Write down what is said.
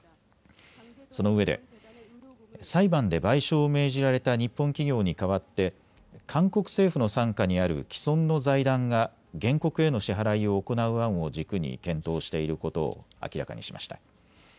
そのうえで裁判で賠償を命じられた日本企業に代わって韓国政府の傘下にある既存の財団が原告への支払いを行う案を軸に検討していることを明らかにしました。